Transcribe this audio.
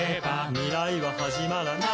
「未来ははじまらない」